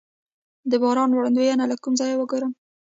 د باران وړاندوینه له کوم ځای وګورم؟